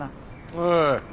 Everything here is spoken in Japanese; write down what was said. おい。